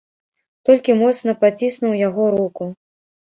Толькі моцна паціснуў яго руку.